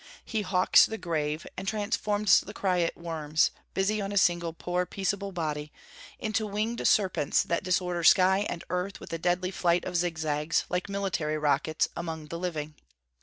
He howks the grave, and transforms the quiet worms, busy on a single poor peaceable body, into winged serpents that disorder sky and earth with a deadly flight of zig zags, like military rockets, among the living.